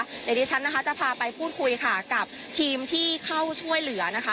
เดี๋ยวดิฉันนะคะจะพาไปพูดคุยค่ะกับทีมที่เข้าช่วยเหลือนะคะ